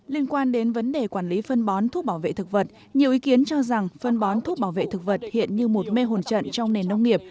liên quan đến vấn đề quản lý phân bón thuốc bảo vệ thực vật nhiều ý kiến cho rằng phân bón thuốc bảo vệ thực vật hiện như một mê hồn trận trong nền nông nghiệp